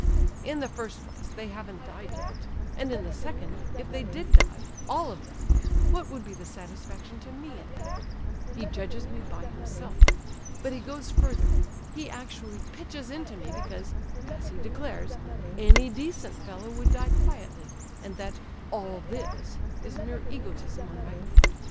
In the first place they haven't died yet; and in the second, if they did die—all of them—what would be the satisfaction to me in that? He judges me by himself. But he goes further, he actually pitches into me because, as he declares, 'any decent fellow' would die quietly, and that 'all this' is mere egotism on my part.